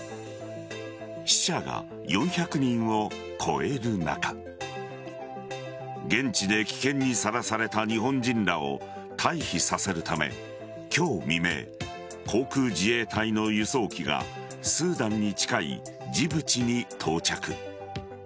死者が４００人を超える中現地で危険にさらされた日本人らを退避させるため今日未明、航空自衛隊の輸送機がスーダンに近いジブチに到着。